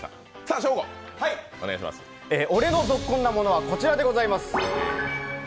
俺のゾッコンなものはこちらでございます。